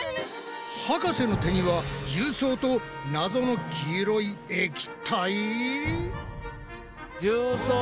博士の手には重曹とナゾの黄色い液体？